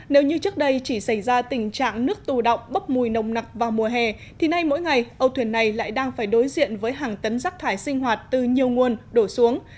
nếu như trước đây chỉ xảy ra tình trạng nước tù động bốc mùi nồng nặc vào mùa hè thì nay mỗi ngày âu thuyền này lại đang phải đối diện với hàng tấn rác thải sinh hoạt từ nhiều nguồn đổ xuống